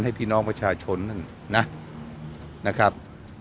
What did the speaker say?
พี่น้องประชาชนนั่นนะครับ